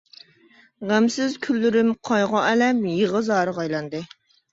غەمسىز كۈنلىرىم قايغۇ-ئەلەم، يىغا زارغا ئايلاندى.